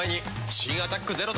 新「アタックＺＥＲＯ」